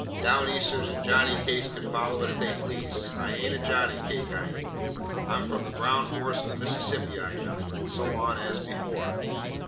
Down Easters and Johnny Cakes can follow if they please. I an't a Johnny Cake, I an't. I am from the brown forests of the Mississippi, I am'—and so on, as before.